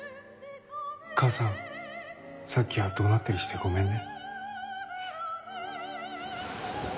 母さんさっきは怒鳴ったりしてごめんね。